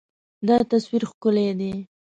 دا تصویر ښکلی دی.